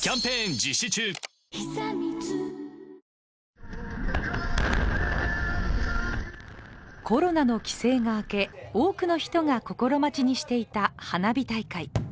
ニトリコロナの規制が明け多くの人が心待ちにしていた花火大会。